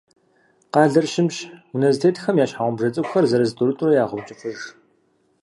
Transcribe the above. Къалэр щымщ. Унэ зэтетхэм я щхьэгъубжэ цӏыкӏухэр, зырыз-тӏурытӏурэ ягъэункӏыфӏыж.